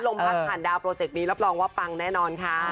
พัดผ่านดาวโปรเจกต์นี้รับรองว่าปังแน่นอนค่ะ